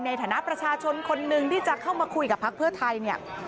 ในฐานะประชาชนคนหนึ่งที่จะเข้ามาคุยกับพักเพื่อไทยเนี่ย